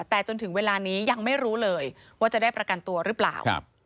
แต่จนถึงเวลานี้ยังไม่รู้เลยว่าจะได้ประกันตัวหรือเปล่า